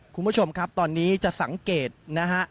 คุณผู้ชมครับตอนนี้จะสังเกตนะฮะ